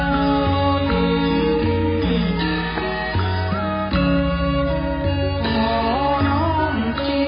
ทรงเป็นน้ำของเรา